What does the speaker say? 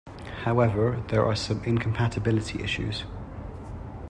However, there are some incompatibility issues.